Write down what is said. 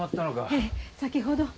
ええ先ほど。